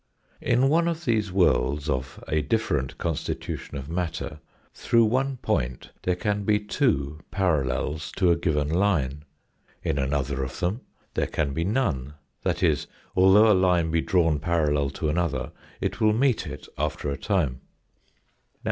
In one of these worlds of a different constitution of matter through one point there can be two parallels to a given line, in another of them there can be none, that is, although a line be drawn parallel to another it will meet it after a time.